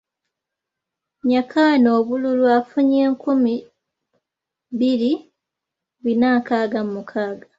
Nyakana obululu afunye nkumi bbiri bina nkaaga mu mukaaga.